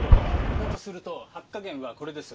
だとすると発火源はこれです。